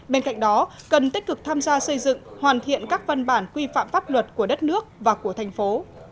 bên cạnh đó cần tích cực tham gia xây dựng hoàn thiện các văn bản quy phạm pháp luật của đất nước và của thành phố